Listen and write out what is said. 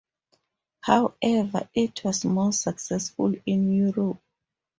However, it was more successful in Europe.